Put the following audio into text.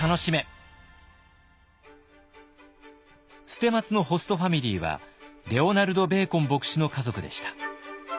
捨松のホストファミリーはレオナルド・ベーコン牧師の家族でした。